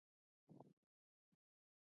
مدیریت ولې پکار دی؟